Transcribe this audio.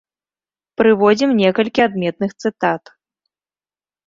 Прыводзім некалькі адметных цытат.